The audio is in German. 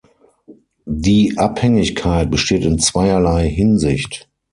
Die Abhängigkeit besteht in zweierlei Hinsicht.